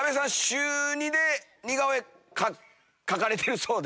週２で似顔絵描かれてるそうで。